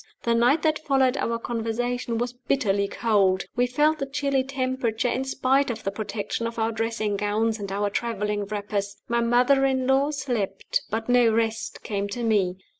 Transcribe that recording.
The night that followed our conversation was bitterly cold. We felt the chilly temperature, in spite of the protection of our dressing gowns and our traveling wrappers. My mother in law slept, but no rest came to me.